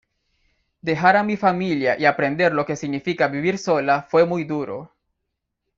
Dejar a mi familia y aprender lo que significa vivir sola fue muy duro.